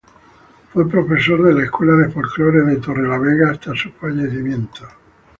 Fue profesor de la Escuela de Folklore de Torrelavega hasta su fallecimiento.